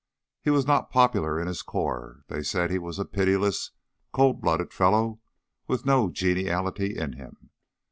He was not popular in his corps they said he was a pitiless, cold blooded fellow, with no geniality in him.